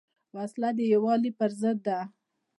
وسله د یووالي پر ضد ده